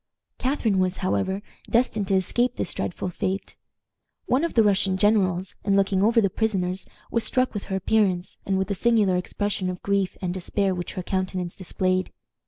Catharine was, however, destined to escape this dreadful fate. One of the Russian generals, in looking over the prisoners, was struck with her appearance, and with the singular expression of grief and despair which her countenance displayed.